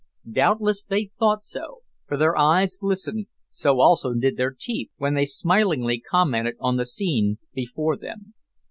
Doubtless they thought so, for their eyes glistened, so also did their teeth when they smilingly commented on the scene before them.